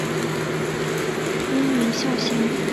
滨名孝行。